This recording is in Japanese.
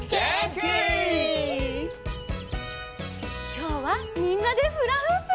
きょうはみんなでフラフープ！